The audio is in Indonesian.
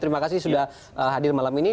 terima kasih sudah hadir malam ini